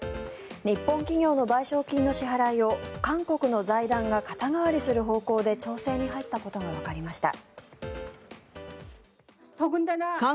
日本企業の賠償金の支払いを韓国の財団が肩代わりする方向で調整に入ったことがわかりました。